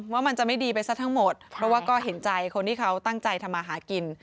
ว่ามันจะไม่ดีไปซะทั้งหมดเพราะว่าก็เห็นใจคนที่เขาตั้งใจทำมาหากิน